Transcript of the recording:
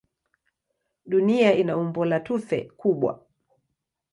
Dunia ina umbo la tufe kubwa.